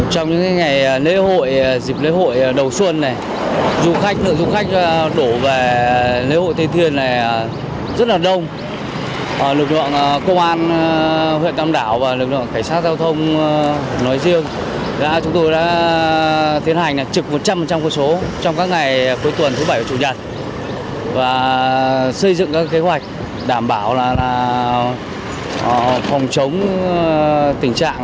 cảnh sát giao thông công an huyện tam đào đã xây dựng các kế hoạch đảm bảo là không chống tình trạng